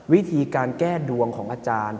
วิธีการแก้ดวงของอาจารย์